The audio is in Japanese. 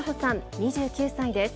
２９歳です。